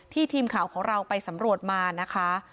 ทีมข่าวของเราไปสำรวจมานะคะ